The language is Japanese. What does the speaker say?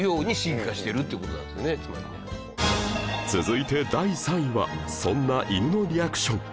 続いて第３位はそんな犬のリアクション